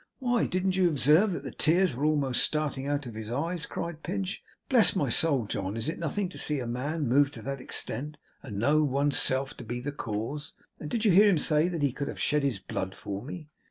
'Why didn't you observe that the tears were almost starting out of his eyes!' cried Pinch. 'Bless my soul, John, is it nothing to see a man moved to that extent and know one's self to be the cause! And did you hear him say that he could have shed his blood for me?